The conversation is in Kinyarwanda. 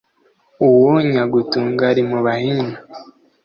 Uwo nyagutunga rimuba hino.